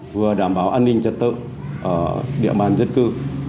vừa đảm bảo an ninh chất tượng ở địa bàn dân cư